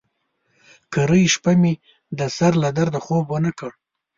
کرۍ شپه مې د سر له درده خوب ونه کړ.